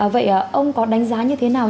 vậy ông có đánh giá như thế nào